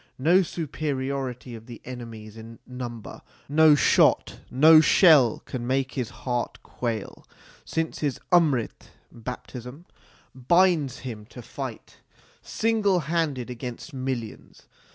No superiority of the enemies in number, no shot, no shell, can make his heart quail, since his Amrit (baptism) binds him to b2 xx THE SIKH RELIGION fight single handed against millions.